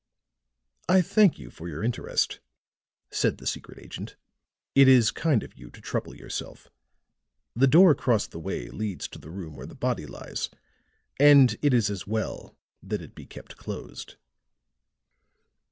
"I thank you for your interest," said the secret agent. "It is kind of you to trouble yourself. The door across the way leads to the room where the body lies, and it is as well that it be kept closed."